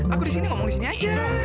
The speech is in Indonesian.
aku di sini ngomong di sini aja